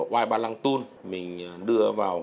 white ballantoon mình đưa vào